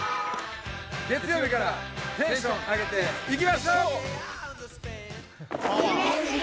月曜日からテンション上げていきましょう！